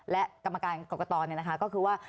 และกรรมการกรกตเนี่ยนะคะก็คือว่า